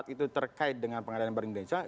itu terkait dengan pengadilan perindah insya